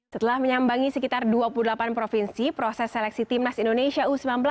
setelah menyambangi sekitar dua puluh delapan provinsi proses seleksi timnas indonesia u sembilan belas